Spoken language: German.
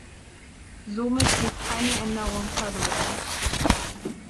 Somit geht keine Änderung verloren.